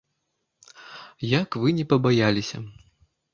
Як вы не пабаяліся!